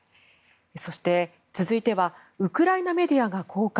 そして、続いてはウクライナメディアが公開